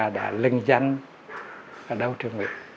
đã linh danh ở đâu triều nguyệt